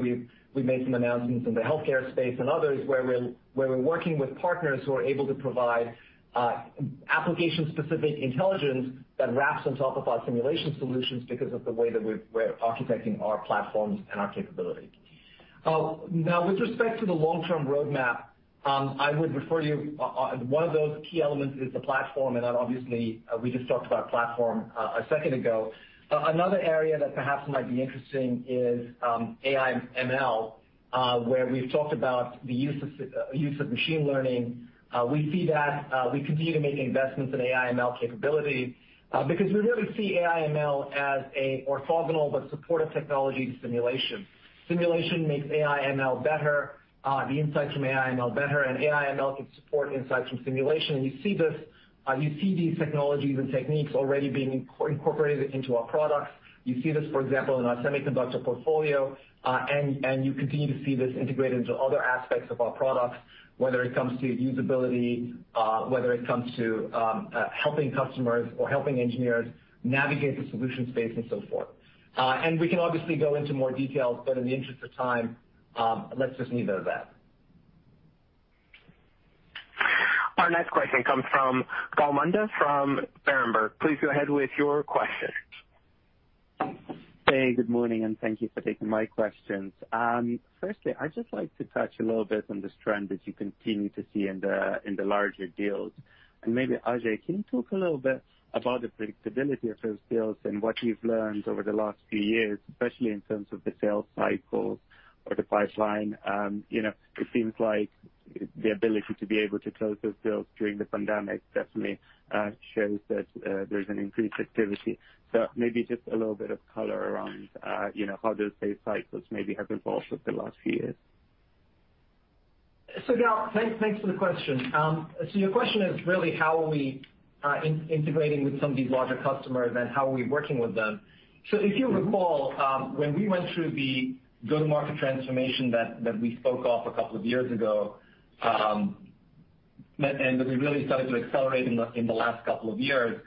We've made some announcements in the healthcare space and others where we're working with partners who are able to provide application-specific intelligence that wraps on top of our simulation solutions because of the way that we're architecting our platforms and our capabilities. Now, with respect to the long-term roadmap, I would refer you, one of those key elements is the platform, and obviously, we just talked about platform a second ago. Another area that perhaps might be interesting is AI and ML, where we've talked about the use of machine learning. We continue to make investments in AI and ML capabilities because we really see AI and ML as an orthogonal but supportive technology to simulation. Simulation makes AI and ML better, the insights from AI and ML better, and AI and ML can support insights from simulation. You see these technologies and techniques already being incorporated into our products. You see this, for example, in our semiconductor portfolio, and you continue to see this integrated into other aspects of our products, whether it comes to usability, whether it comes to helping customers or helping engineers navigate the solution space and so forth. We can obviously go into more details, but in the interest of time, let's just leave it at that. Our next question comes from Gal Munda from Berenberg. Please go ahead with your question. Hey, good morning, and thank you for taking my questions. I'd just like to touch a little bit on this trend that you continue to see in the larger deals. Maybe, Ajei, can you talk a little bit about the predictability of those deals and what you've learned over the last few years, especially in terms of the sales cycles or the pipeline? It seems like the ability to be able to close those deals during the pandemic definitely shows that there's an increased activity. Maybe just a little bit of color around how those sales cycles maybe have evolved over the last few years. Gal, thanks for the question. Your question is really how are we integrating with some of these larger customers, and how are we working with them. If you recall, when we went through the go-to-market transformation that we spoke of a couple of years ago, and that we really started to accelerate in the last couple of years,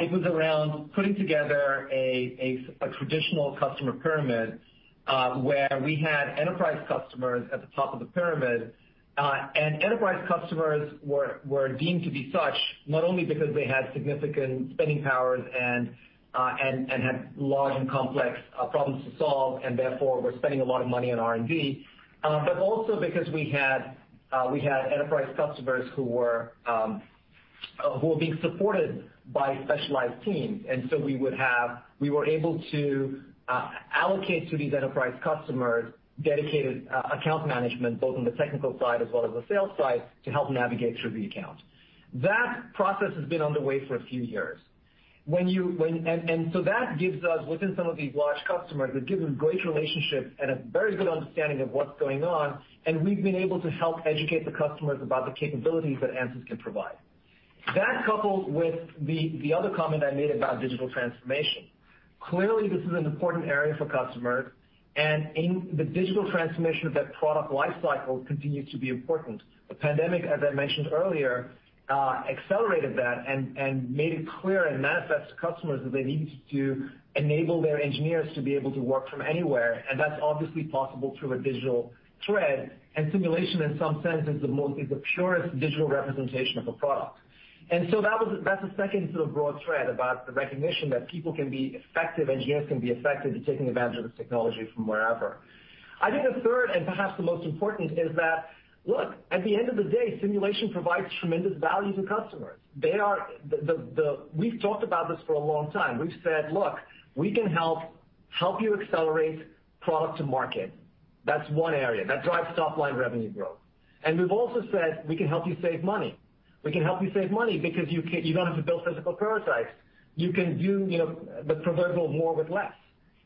it was around putting together a traditional customer pyramid, where we had enterprise customers at the top of the pyramid. Enterprise customers were deemed to be such, not only because they had significant spending powers and had large and complex problems to solve and therefore were spending a lot of money on R&D, but also because we had enterprise customers who were being supported by specialized teams. We were able to allocate to these enterprise customers dedicated account management, both on the technical side as well as the sales side, to help navigate through the account. That process has been underway for a few years. That gives us, within some of these large customers, it gives us great relationships and a very good understanding of what's going on, and we've been able to help educate the customers about the capabilities that Ansys can provide. That coupled with the other comment I made about digital transformation. Clearly, this is an important area for customers, and the digital transformation of that product lifecycle continues to be important. The pandemic, as I mentioned earlier, accelerated that and made it clear and manifest to customers that they needed to enable their engineers to be able to work from anywhere, and that's obviously possible through a digital thread. Simulation, in some sense, is the purest digital representation of a product. That's a second sort of broad thread about the recognition that people can be effective, engineers can be effective at taking advantage of this technology from wherever. I think the third, and perhaps the most important, is that, look, at the end of the day, simulation provides tremendous value to customers. We've talked about this for a long time. We've said, look, we can help you accelerate product to market. That's one area that drives top-line revenue growth. We've also said we can help you save money. We can help you save money because you don't have to build physical prototypes. You can do the proverbial more with less.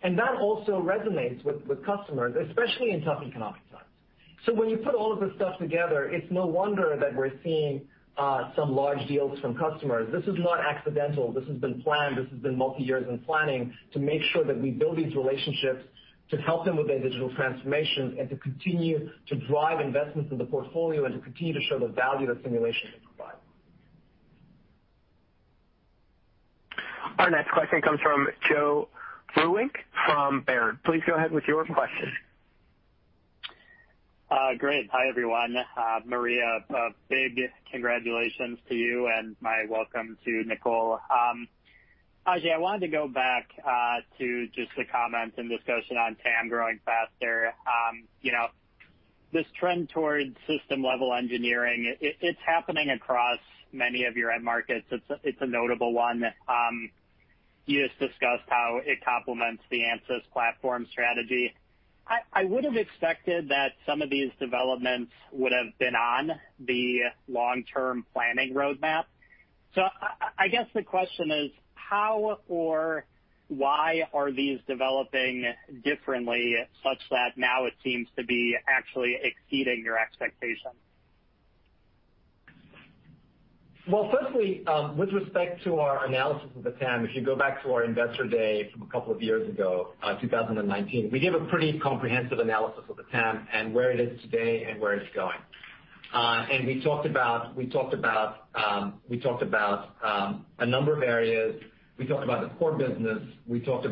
That also resonates with customers, especially in tough economic times. When you put all of this stuff together, it's no wonder that we're seeing some large deals from customers. This is not accidental. This has been planned. This has been multi-years in planning to make sure that we build these relationships to help them with their digital transformations, and to continue to drive investments in the portfolio, and to continue to show the value that simulation can provide. Our next question comes from Joe Vruwink from Baird. Please go ahead with your question. Great. Hi, everyone. Maria, a big congratulations to you, and my welcome to Nicole. Ajei, I wanted to go back to just the comments and discussion on TAM growing faster. This trend towards system-level engineering, it's happening across many of your end markets. It's a notable one. You just discussed how it complements the Ansys platform strategy. I would've expected that some of these developments would have been on the long-term planning roadmap. I guess the question is, how or why are these developing differently such that now it seems to be actually exceeding your expectations? Firstly, with respect to our analysis of the TAM, if you go back to our Investor Day from a couple of years ago, 2019, we gave a pretty comprehensive analysis of the TAM and where it is today and where it is going. We talked about a number of areas. We talked about the core business, which was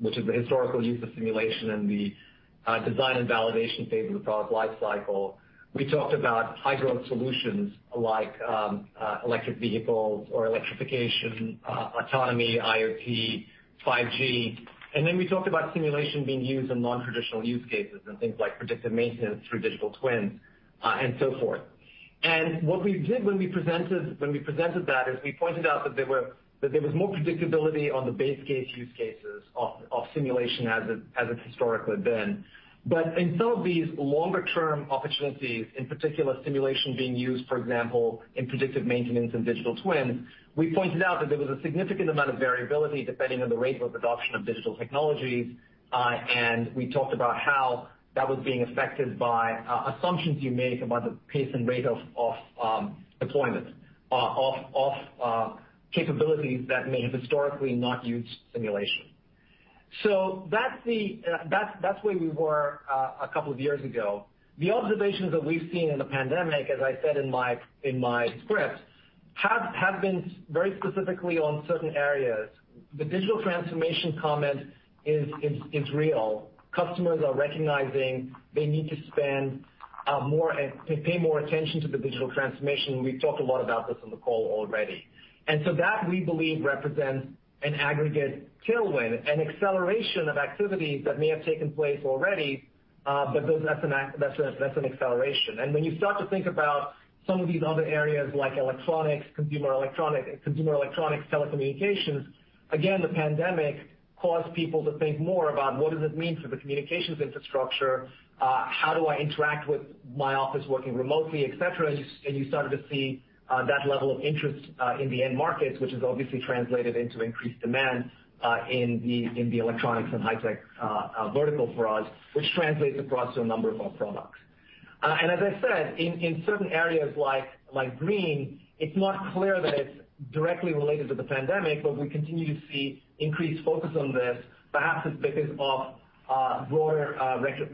the historical use of simulation in the design and validation phase of the product lifecycle. We talked about high-growth solutions like electric vehicles or electrification, autonomy, IoT, 5G. Then we talked about simulation being used in non-traditional use cases and things like predictive maintenance through digital twins, and so forth. What we did when we presented that is we pointed out that there was more predictability on the base case use cases of simulation as it's historically been. In some of these longer-term opportunities, in particular, simulation being used, for example, in predictive maintenance and digital twins, we pointed out that there was a significant amount of variability depending on the rate of adoption of digital technologies. We talked about how that was being affected by assumptions you make about the pace and rate of deployment of capabilities that may have historically not used simulation. That's where we were a couple of years ago. The observations that we've seen in the pandemic, as I said in my script, have been very specifically on certain areas. The digital transformation comment is real. Customers are recognizing they need to pay more attention to the digital transformation. We've talked a lot about this on the call already. That, we believe, represents an aggregate tailwind, an acceleration of activities that may have taken place already. That's an acceleration. When you start to think about some of these other areas like electronics, consumer electronics, telecommunications, again, the pandemic caused people to think more about what does it mean for the communications infrastructure? How do I interact with my office working remotely, et cetera? You started to see that level of interest in the end markets, which has obviously translated into increased demand in the electronics and high-tech vertical for us, which translates across to a number of our products. As I said, in certain areas like green, it's not clear that it's directly related to the pandemic, but we continue to see increased focus on this. Perhaps it's because of broader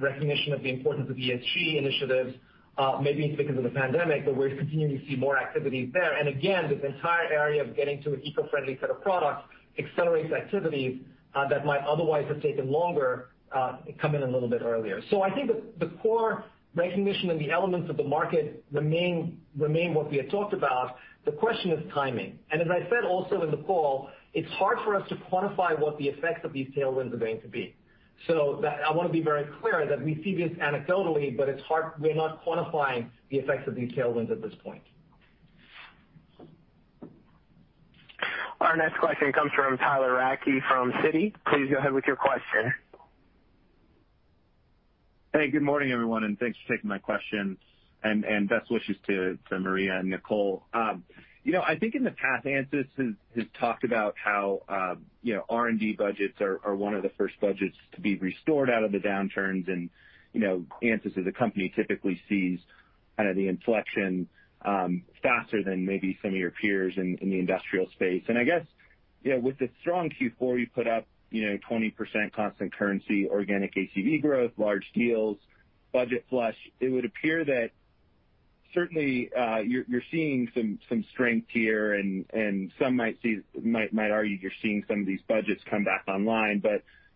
recognition of the importance of ESG initiatives. Maybe it's because of the pandemic, but we're continuing to see more activities there. Again, this entire area of getting to an eco-friendly set of products accelerates activities that might otherwise have taken longer, coming in a little bit earlier. I think the core recognition and the elements of the market remain what we had talked about. The question is timing. As I said also in the call, it's hard for us to quantify what the effects of these tailwinds are going to be. I want to be very clear that we see this anecdotally, but we're not quantifying the effects of these tailwinds at this point. Our next question comes from Tyler Radke from Citi. Please go ahead with your question. Hey, good morning, everyone, and thanks for taking my question, and best wishes to Maria and Nicole. I think in the past, Ansys has talked about how R&D budgets are one of the first budgets to be restored out of the downturns, and Ansys as a company typically sees the inflection faster than maybe some of your peers in the industrial space. I guess, with the strong Q4, you put up 20% constant currency, organic ACV growth, large deals, budget flush. It would appear that certainly, you're seeing some strength here, and some might argue you're seeing some of these budgets come back online.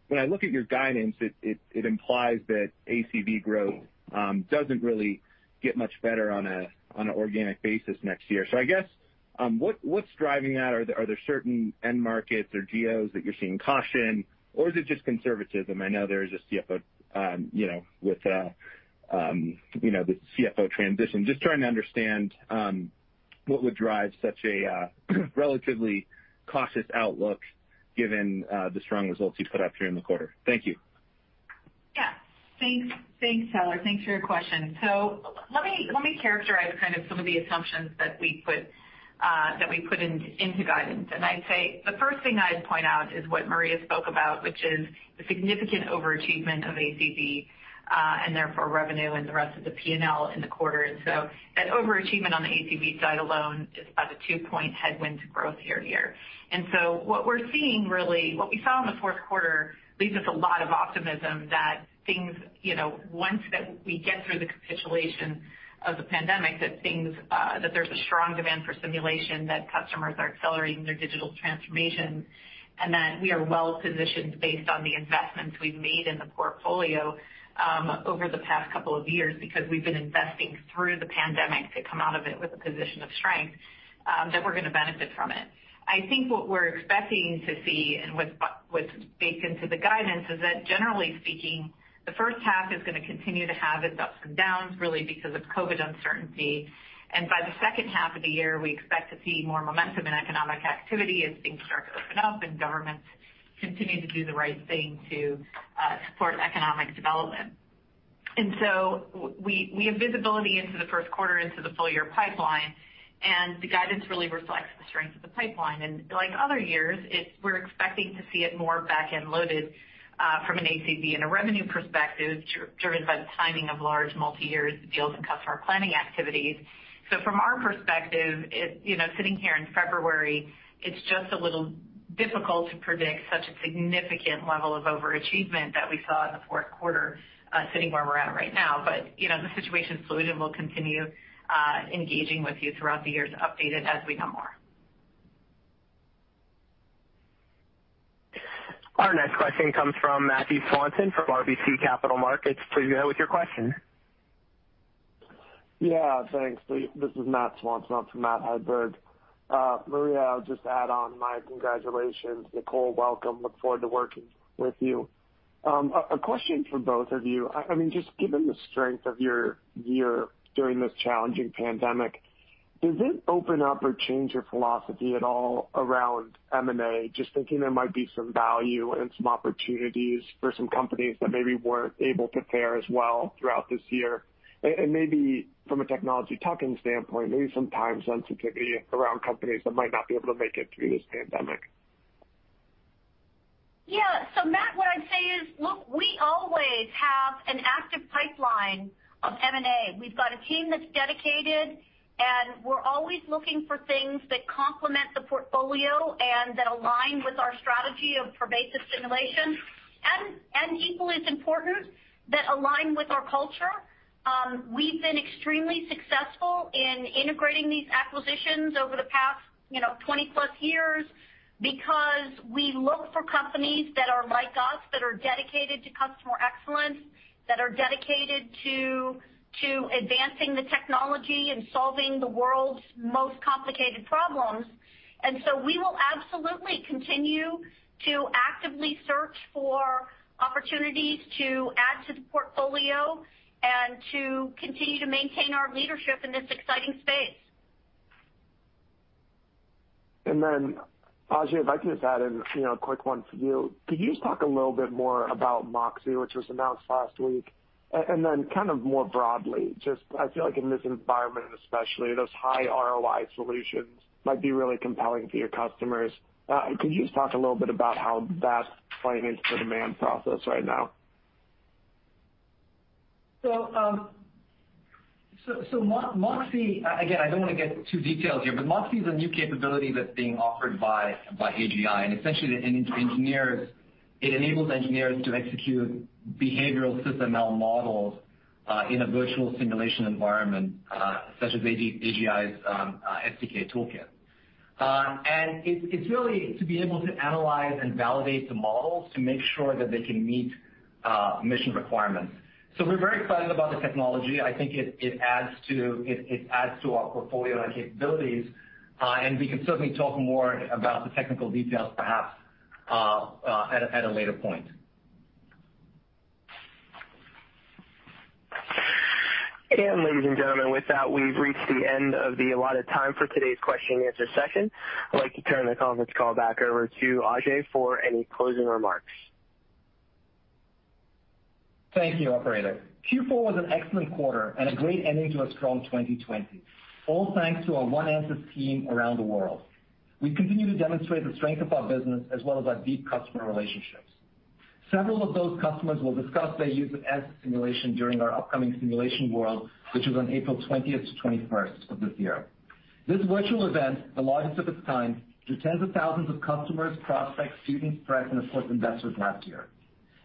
When I look at your guidance, it implies that ACV growth doesn't really get much better on an organic basis next year. I guess, what's driving that? Are there certain end markets or geos that you're seeing caution, or is it just conservatism? I know there is a CFO with the CFO transition. Just trying to understand what would drive such a relatively cautious outlook, given the strong results you put up during the quarter? Thank you. Thanks, Tyler. Thanks for your question. Let me characterize some of the assumptions that we put into guidance. I'd say the first thing I'd point out is what Maria spoke about, which is the significant overachievement of ACV, and therefore revenue and the rest of the P&L in the quarter. That overachievement on the ACV side alone is about a two-point headwind to growth year-over-year. What we saw in the fourth quarter leaves us a lot of optimism that things, once that we get through the capitulation of the pandemic, that there's a strong demand for simulation, that customers are accelerating their digital transformation, and that we are well-positioned based on the investments we've made in the portfolio over the past couple of years because we've been investing through the pandemic to come out of it with a position of strength, that we're going to benefit from it. I think what we're expecting to see, and what's baked into the guidance, is that generally speaking, the first half is going to continue to have its ups and downs, really because of COVID-19 uncertainty. By the second half of the year, we expect to see more momentum in economic activity as things start to open up and governments continue to do the right thing to support economic development. We have visibility into the first quarter into the full-year pipeline, and the guidance really reflects the strength of the pipeline. Like other years, we're expecting to see it more back-end loaded from an ACV and a revenue perspective, driven by the timing of large multi-year deals and customer planning activities. From our perspective, sitting here in February, it's just a little difficult to predict such a significant level of overachievement that we saw in the fourth quarter, sitting where we're at right now. The situation is fluid, and we'll continue engaging with you throughout the year to update it as we know more. Our next question comes from Matthew Swanson from RBC Capital Markets. Please go ahead with your question. Yeah, thanks. This is Matthew Swanson from Matt Hedberg. Maria, I'll just add on my congratulations. Nicole, welcome. Look forward to working with you. A question for both of you. Just given the strength of your year during this challenging pandemic, does it open up or change your philosophy at all around M&A? Just thinking there might be some value and some opportunities for some companies that maybe weren't able to fare as well throughout this year. Maybe from a technology tuck-in standpoint, maybe some time sensitivity around companies that might not be able to make it through this pandemic. Yeah. Matt, what I'd say is, look, we always have an active pipeline of M&A. We've got a team that's dedicated, we're always looking for things that complement the portfolio and that align with our strategy of pervasive simulation. Equally as important, that align with our culture. We've been extremely successful in integrating these acquisitions over the past 20-plus years because we look for companies that are like us, that are dedicated to customer excellence, that are dedicated to advancing the technology and solving the world's most complicated problems. We will absolutely continue to actively search for opportunities to add to the portfolio and to continue to maintain our leadership in this exciting space. Ajei, if I could just add in a quick one for you. Could you just talk a little bit more about Moxie, which was announced last week? More broadly, just I feel like in this environment, especially, those high ROI solutions might be really compelling to your customers. Could you just talk a little bit about how that plays into the demand process right now? Moxie, again, I don't want to get too detailed here, but Moxie is a new capability that's being offered by AGI. Essentially, it enables engineers to execute behavioral SysML models in a virtual simulation environment, such as AGI's STK toolkit. It's really to be able to analyze and validate the models to make sure that they can meet mission requirements. We're very excited about the technology. I think it adds to our portfolio and capabilities. We can certainly talk more about the technical details perhaps at a later point. Ladies and gentlemen, with that, we've reached the end of the allotted time for today's question and answer session. I'd like to turn the conference call back over to Ajei for any closing remarks. Thank you, operator. Q4 was an excellent quarter and a great ending to a strong 2020, all thanks to our One Ansys team around the world. We continue to demonstrate the strength of our business as well as our deep customer relationships. Several of those customers will discuss their use of Ansys simulation during our upcoming Simulation World, which is on April 20th to 21st of this year. This virtual event, the largest of its kind, drew tens of thousands of customers, prospects, students, press, and of course, investors last year.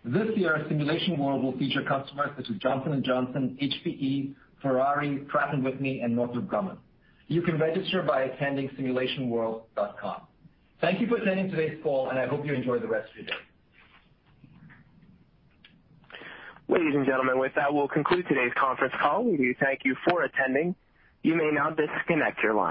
This year, Simulation World will feature customers such as Johnson & Johnson, HPE, Ferrari, Pratt & Whitney, and Northrop Grumman. You can register by attending simulationworld.com. Thank you for attending today's call, and I hope you enjoy the rest of your day. Ladies and gentlemen, with that, we'll conclude today's conference call. We thank you for attending. You may now disconnect your lines.